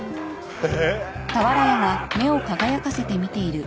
へえ。